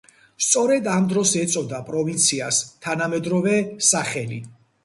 სწორედ ამ დროს ეწოდა პროვინციას თანამედროვე სახელი.